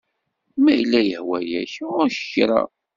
Ma yella yehwa-yak, Ɣuṛ-k kra.